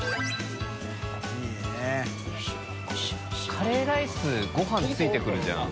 カレーライスごはん付いてくるじゃん。